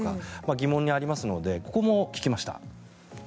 疑問にありますのでここも聞きました。